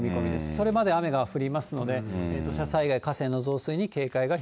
それまで雨が降りますので、土砂災害、河川の増水に警戒が必要。